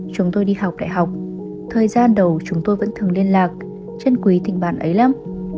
chúng tôi đi học đại học thời gian đầu chúng tôi vẫn thường liên lạc chân quý tình bạn ấy lắm